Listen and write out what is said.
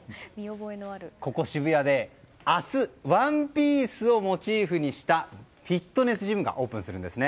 ここ渋谷で明日「ＯＮＥＰＩＥＣＥ」をモチーフにしたフィットネスジムがオープンするんですね。